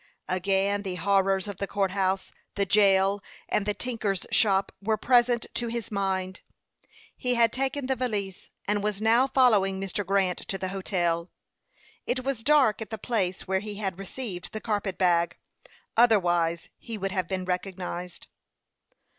Again the horrors of the court house, the jail, and the tinker's shop were present to his mind. He had taken the valise, and was now following Mr. Grant to the hotel. It was dark at the place where he had received the carpet bag, otherwise he would have been recognized.